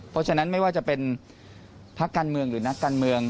เพราะฉะนั้นไม่ว่าจะเป็นพักการเมืองหรือนักการเมือง